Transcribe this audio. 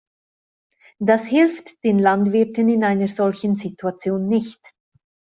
Das hilft den Landwirten in einer solchen Situation nicht.